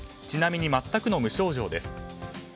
ちなみに全くの無症状です。